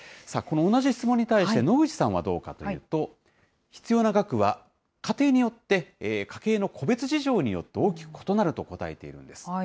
この同じ質問に対して、野口さんはどうかというと、必要な額は、家庭によって、家計の個別事情によって大きく異なると答えているんです。